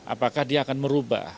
apakah dia akan merubah